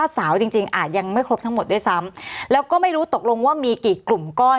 สาวจริงจริงอาจยังไม่ครบทั้งหมดด้วยซ้ำแล้วก็ไม่รู้ตกลงว่ามีกี่กลุ่มก้อน